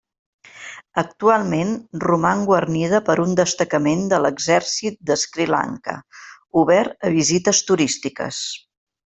Actualment, roman guarnida per un destacament de l'Exèrcit de Sri Lanka, obert a visites turístiques.